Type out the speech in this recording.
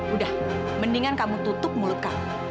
udah mendingan kamu tutup mulut kamu